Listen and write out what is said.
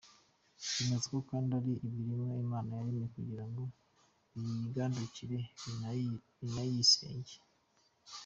Yemeza ko kandi ari ibiremwa Imana yaremye kugirango biyigandukire binayisenge.